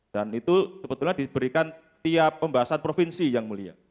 dan itu sebetulnya diberikan tiap pembahasan provinsi yang mulia